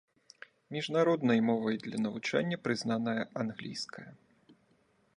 Міжнародным мовай для навучання прызнаная англійская.